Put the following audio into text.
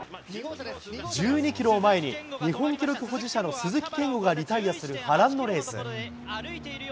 １２キロを前に、日本記録保持者の鈴木健吾がリタイアする波乱のレース。